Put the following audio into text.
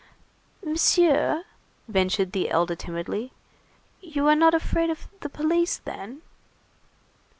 "Monsieur," ventured the elder timidly, "you are not afraid of the police, then?"